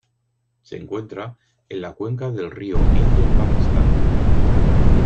Se encuentra en la cuenca del río Indo en Pakistán.